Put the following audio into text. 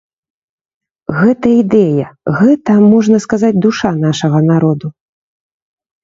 Гэта ідэя, гэта, можна сказаць, душа нашага народу.